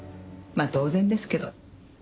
まあ当然ですけど。